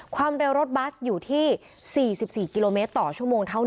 ความเร็วรถบัสอยู่ที่๔๔กิโลเมตรต่อชั่วโมงเท่านั้น